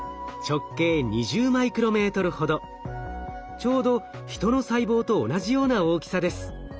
ちょうどヒトの細胞と同じような大きさです。